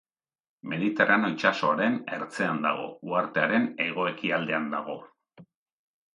Mediterraneo itsasoaren ertzean dago, uhartearen hego-ekialdean dago.